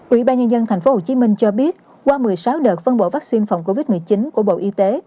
ủy ban nhân dân tp hcm cho biết qua một mươi sáu đợt phân bổ vaccine phòng covid một mươi chín của bộ y tế